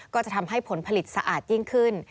ก็จะทำให้ผลผลิตสะอาดยิ่งขึ้น